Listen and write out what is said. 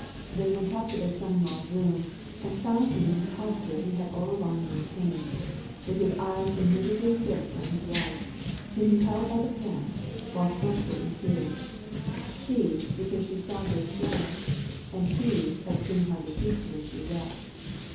They went up to their son in law's room, and found him in the posture he had all along maintained, with his eyes immovably fixed on his wife, whom he held by the hands, whilst both were in tears; she, because she saw his flow, and he at seeing how deceitfully she wept.